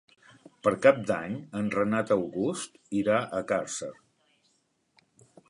Per Cap d'Any en Renat August irà a Càrcer.